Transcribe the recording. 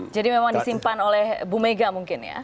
jadi memang disimpan oleh bu mega mungkin ya